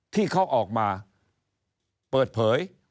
ที่เขาออกมาเปิดเผย